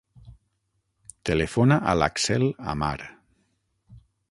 Telefona a l'Axel Amar.